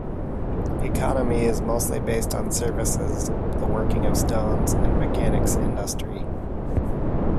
Economy is mostly based on services, the working of stones, and mechanics industry.